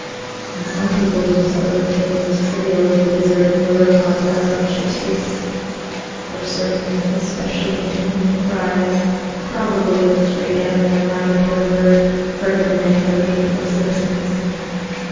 And some people even spoke of things as trivial as the deserted motor car found in Ship Street, or certain especially inhuman cries, probably of a stray animal or migratory bird, heard in the night by wakeful citizens.